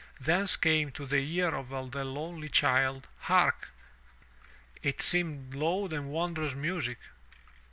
Thence came to the ear of the lonely child — hark! it seemed low and wondrous music.